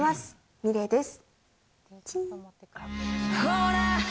ｍｉｌｅｔです。